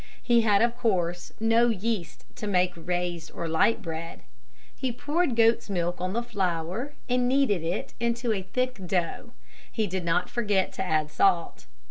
He had of course no yeast to make raised or light bread. He poured goats' milk on the flour and kneaded it into a thick dough. He did not forget to add salt.